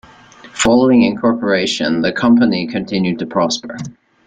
Following incorporation, the company continued to prosper.